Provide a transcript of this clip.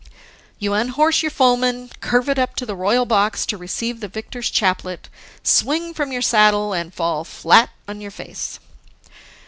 You unhorse your foeman, curvet up to the royal box to receive the victor's chaplet, swing from your saddle, and fall flat on your face.